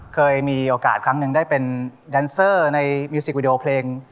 เคยมีโอกาสครั้งหนึ่งได้เป็นแดนเซอร์ในมิวสิกวิดีโอเพลง